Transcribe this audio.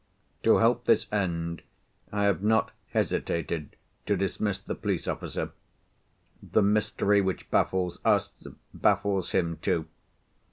To help this end, I have not hesitated to dismiss the police officer. The mystery which baffles us, baffles him too.